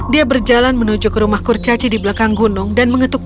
dia berjalan menuju ke rumah kurcaci di belakang gunung dan mengetuk